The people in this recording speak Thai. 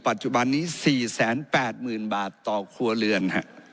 ปัจจุบันนี้๔๘๐๐๐บาทต่อครัวเรือน